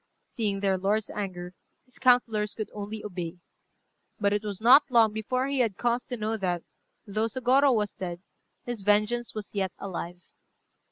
Seeing their lord's anger, his councillors could only obey. But it was not long before he had cause to know that, though Sôgorô was dead, his vengeance was yet alive.